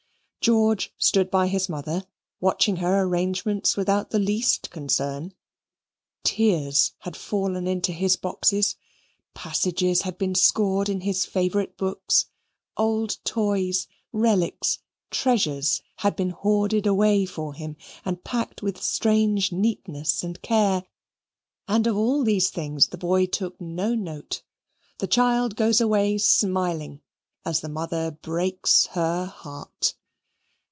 George stood by his mother, watching her arrangements without the least concern. Tears had fallen into his boxes; passages had been scored in his favourite books; old toys, relics, treasures had been hoarded away for him, and packed with strange neatness and care and of all these things the boy took no note. The child goes away smiling as the mother breaks her heart.